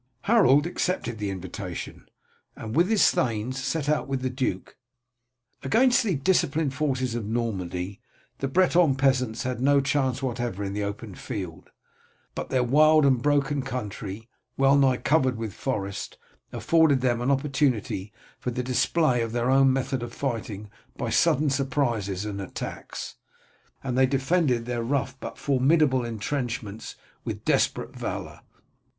Harold accepted the invitation, and with his thanes set out with the duke. Against the disciplined forces of Normandy the Breton peasants had no chance whatever in the open field, but their wild and broken country, well nigh covered with forest, afforded them an opportunity for the display of their own method of fighting by sudden surprises and attacks, and they defended their rough but formidable intrenchments with desperate valour.